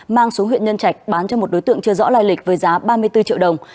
mang xuống huyện nhân trạch bán cho một đối tượng chưa rõ lai lịch với giá ba mươi bốn triệu đồng